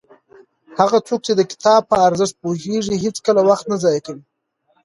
هغه څوک چې د کتاب په ارزښت پوهېږي هېڅکله وخت نه ضایع کوي.